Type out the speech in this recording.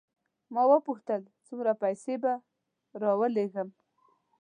ما وپوښتل څومره پیسې به راولېږم.